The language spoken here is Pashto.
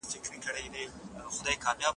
هر انسان حق لري چي خپل فکر ولري.